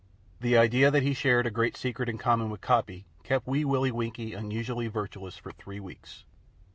The idea that he shared a great secret in common with Coppy kept Wee Willie Winkie unusually virtuous for three weeks.